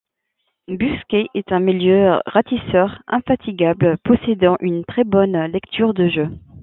Busquets est un milieu ratisseur infatigable, possédant une très bonne lecture de jeu.